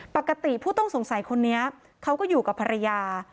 ปกติผู้ต้องสงสัยคนนี้เขาก็อยู่กับภรรยา